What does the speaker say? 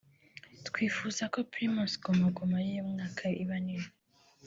“Twifuza ko Primus Guma Guma y’uyu mwaka iba nini